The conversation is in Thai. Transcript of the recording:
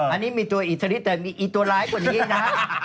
อันนี้มีตัวอิทธิฤทธิแต่มีอีตัวร้ายกว่านี้นะฮะ